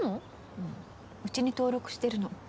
うんうちに登録してるの。